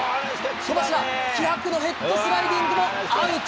戸柱、気迫のヘッドスライディングも、アウト。